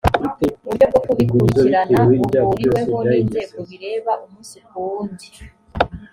uburyo bwo kubikurikirana buhuriweho n inzego bireba umunsi ku wundi